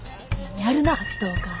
やるなストーカー。